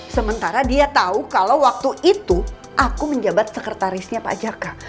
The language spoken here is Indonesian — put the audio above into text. sementara dia tahu kalau waktu itu aku menjabat sekretarisnya pak jaka